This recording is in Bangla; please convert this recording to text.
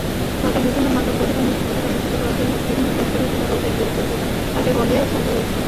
সরকার বিভিন্ন নাগরিক অধিকার নিশ্চিত করার জন্য বিভিন্ন দপ্তরের যেসব ওয়েবসাইট তৈরি করে তাকে বলে সরকারি পোর্টাল।